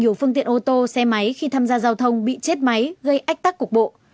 nhiều phương tiện ô tô xe máy khi tham gia giao thông bị chết máy gây ách tắc cục bộ